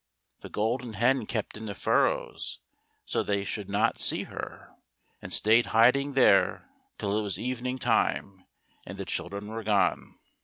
The Golden Hen kept in the furrows so that they should not see her, and stayed hiding there till it was evening time and the children were gone.